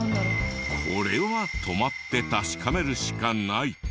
これは泊まって確かめるしかない。